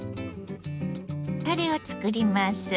タレを作ります。